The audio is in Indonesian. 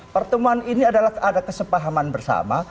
pertemuan ini adalah ada kesepahaman bersama